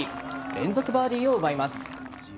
連続バーディーを奪います。